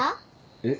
えっ。